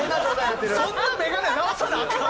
そんな眼鏡直さなアカン？